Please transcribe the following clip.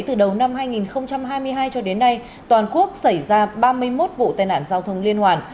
từ đầu năm hai nghìn hai mươi hai cho đến nay toàn quốc xảy ra ba mươi một vụ tai nạn giao thông liên hoàn